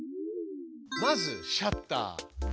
まずシャッター。